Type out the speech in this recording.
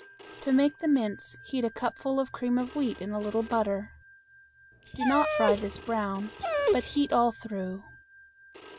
To make the mince heat a cupful of cream of wheat in a little butter. Do not fry this brown, but heat all through.